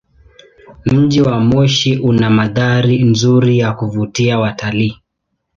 Mji wa Moshi una mandhari nzuri ya kuvutia watalii.